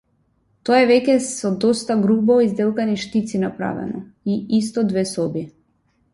Тоа е веќе со доста грубо изделкани штици направено, и исто две соби.